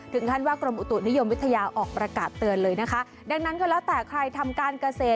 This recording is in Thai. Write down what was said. ขั้นว่ากรมอุตุนิยมวิทยาออกประกาศเตือนเลยนะคะดังนั้นก็แล้วแต่ใครทำการเกษตร